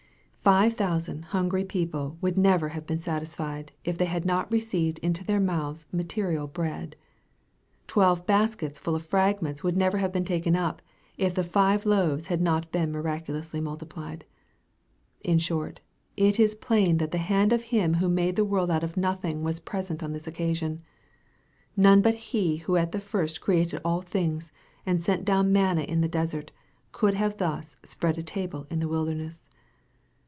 Five thousand hungry people would never have been satisfied, if they had not received into their mouth? material bread. Twelve baskets full of fragments would never have been taken up, if the five loaves had not been miraculously multiplied. In short, it is plain that the hand of Him who made the world out of nothing was present on this occasion. None but He who at the first created all things, and sent down manna in the desert, could thus have " spread a table in the wilderness."